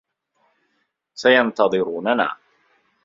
سينتظروننا.